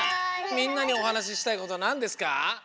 みんなにおはなししたいことなんですか？